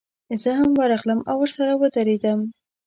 زه هم ورغلم او ورسره ودرېدم.